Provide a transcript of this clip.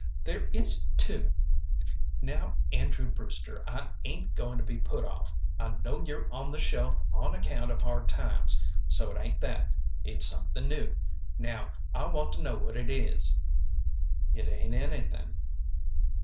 "There is, too. Now, Andrew Brewster, I ain't goin' to be put off. I know you're on the shelf on account of hard times, so it ain't that. It's something new. Now I want to know what it is." "It ain't anything."